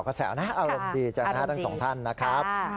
ถ้าย่วมโดยเกี่ยวกับนายกรัฐมนตรีค่ะ